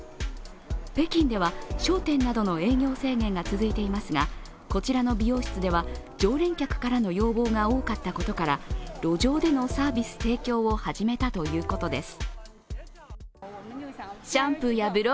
北京では商店などの営業制限が続いていますがこちらの美容室では常連客からの要望が多かったことから路上でのサービス提供を始めたということです。